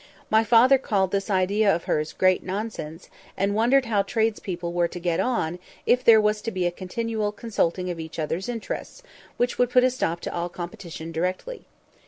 My father called this idea of hers "great nonsense," and "wondered how tradespeople were to get on if there was to be a continual consulting of each other's interests, which would put a stop to all competition directly."